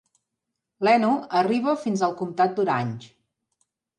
L'Eno arriba fins al comtat d'Orange.